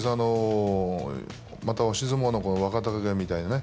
押し相撲の若隆景みたいなね